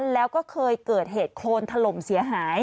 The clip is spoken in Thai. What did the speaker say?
แล้วก็เคยเกิดเหตุโครนถล่มเสียหาย